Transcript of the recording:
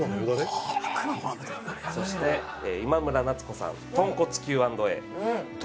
そして今村夏子さん『とんこつＱ＆Ａ』。